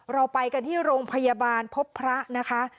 เราไปกันที่โรงพยาบาลพบพระนะคะ